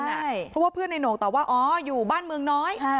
เพราะว่าเพื่อนในโหน่งตอบว่าอ๋ออยู่บ้านเมืองน้อย